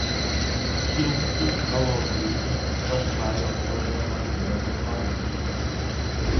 Se eu for ao rodízio, só saio após levar o dono à falência